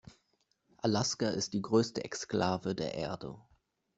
Alaska ist die größte Exklave der Erde.